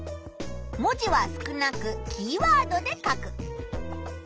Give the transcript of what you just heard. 文字は少なくキーワードで書く。